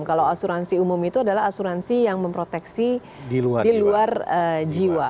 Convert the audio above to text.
kalau asuransi umum itu adalah asuransi yang memproteksi di luar jiwa